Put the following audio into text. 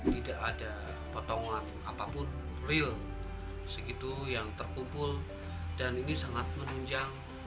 tidak ada potongan apapun real segitu yang terkumpul dan ini sangat menunjang